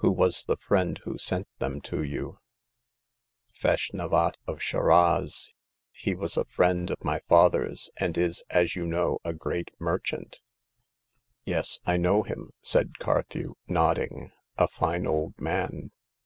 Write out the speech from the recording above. Who was the friend who sent them to you ?"Feshnavat, of Shiraz. He was a friend of my father's, and is, as you know, a great merchant." *'Yes, I know him," said Carthew, nodding; '*a fine old man.